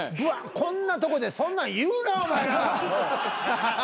こんなとこでそんなん言うなお前ら！